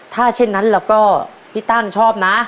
ถ้าเช่นนั้นแล้วก็พี่ตั้งชอบนะ